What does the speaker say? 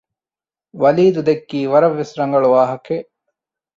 ވަލީދު ދެއްކީ ވަރަށް ވެސް ރަނގަޅު ވާހަކައެއް